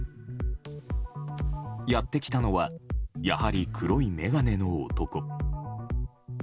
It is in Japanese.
やってきたのはやはり黒い眼鏡の男。